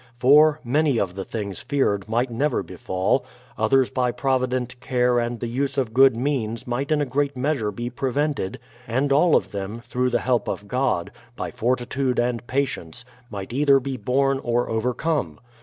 For, many of the things feared might never befall; others by provident care and the use of good means might in a great measure be pre vented ; and all of them, through the help of God, by forti tude and patience, might either be borne or overcome.